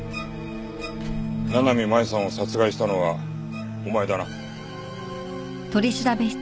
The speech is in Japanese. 七海真友さんを殺害したのはお前だな？